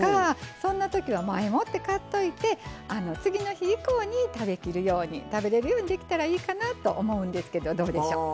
そんなときは前もって買っておいて次の日以降に食べきるように食べれるようにできたらいいなと思うんですけど、どうでしょう。